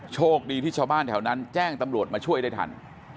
โชคดีที่ชาวบ้านแถวนั้นแจ้งตำรวจมาช่วยได้ทัน